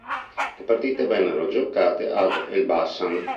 Le partite vennero giocate ad Elbasan.